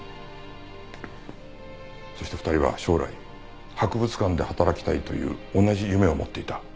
そして２人は将来博物館で働きたいという同じ夢を持っていた。